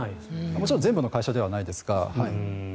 もちろん全部の会社ではないですが。